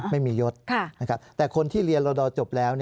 ไม่มียศแต่คนที่เรียนรอดอจบแล้ว